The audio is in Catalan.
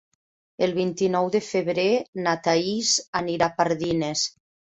El vint-i-nou de febrer na Thaís anirà a Pardines.